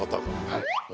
はい。